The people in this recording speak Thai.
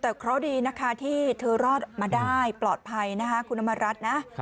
แต่เคราะห์ดีนะคะที่เธอรอดมาได้ปลอดภัยนะคะคุณอำมารัฐนะ